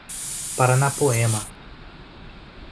Paranapoema